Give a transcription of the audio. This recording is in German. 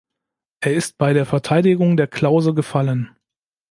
Er ist bei der Verteidigung der Klause gefallen.